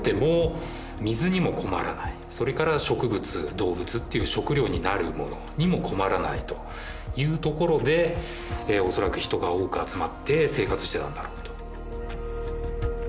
動物っていう食料になるものにも困らないというところで恐らく人が多く集まって生活していたんだろうと。